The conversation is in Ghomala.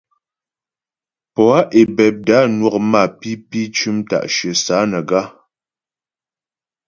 Poâ Ebebda nwɔk mapǐpi cʉm ta'shyə Sánaga.